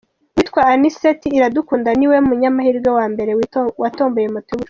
Uwitwa Anicet Iradukunda ni we munyamahirwe wa mbere watomboye moto y’ubucuruzi.